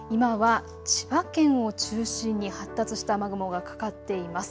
今は千葉県を中心に発達した雨雲がかかっています。